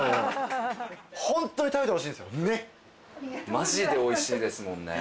マジでおいしいですもん。